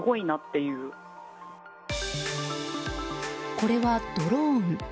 これはドローン。